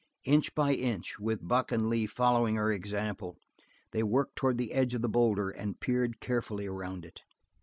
Inch by inch, with Buck and Lee following her example, they worked toward the edge of the boulder and peered carefully around it.